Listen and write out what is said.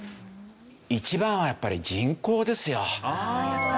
一番はやっぱり人口ですよ。